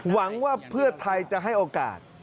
หวังว่าเพื่อไทยจะให้โอกาส